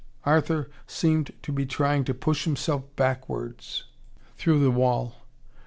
Arthur seemed to be trying to push himself backwards through the wall.